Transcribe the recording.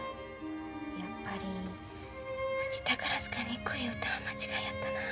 やっぱりうち宝塚に行く言うたんは間違いやったな。